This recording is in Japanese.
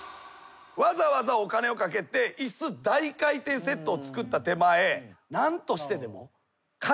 わざわざお金をかけて椅子大回転セットを作った手前。